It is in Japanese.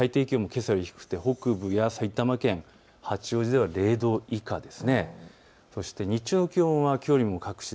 最低気温もけさより低くて北部や埼玉県、八王子では０度以下です。